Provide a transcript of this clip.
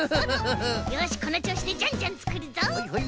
よしこのちょうしでジャンジャンつくるぞ。